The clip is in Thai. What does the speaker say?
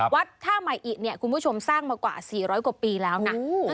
วัดท่าใหม่อิเนี่ยคุณผู้ชมสร้างมากว่า๔๐๐กว่าปีแล้วนะ